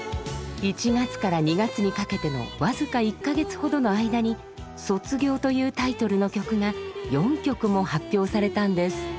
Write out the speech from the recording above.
１月から２月にかけての僅か１か月ほどの間に「卒業」というタイトルの曲が４曲も発表されたんです。